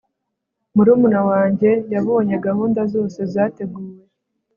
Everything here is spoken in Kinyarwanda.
murumuna wanjye yabonye gahunda zose zateguwe